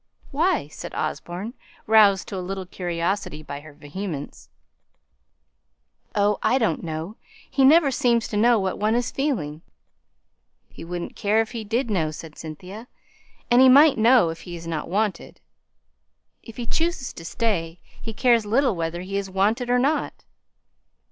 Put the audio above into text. "Why?" said Osborne, roused to a little curiosity by her vehemence. "Oh! I don't know. He never seems to know what one is feeling." "He wouldn't care if he did know," said Cynthia. "And he might know he is not wanted." "If he chooses to stay, he cares little whether he is wanted or not."